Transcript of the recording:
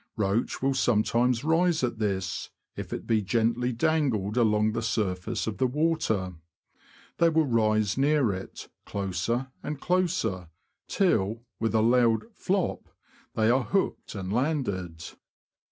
Roach will sometimes rise at this, if it be gently dangled along the surface of the water. They will rise near it, closer and closer, till, with a loud ''flop," they are hooked and landed.